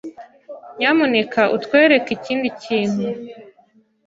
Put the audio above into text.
Nyamuneka utwereke ikindi kintu.